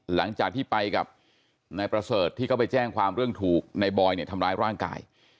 หลังจากที่ไปกับนายประเสริฐที่เขาไปแจ้งความเรื่องถูกในบอยเนี่ยทำร้ายร่างกาย